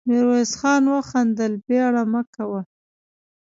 ميرويس خان وخندل: بېړه مه کوه.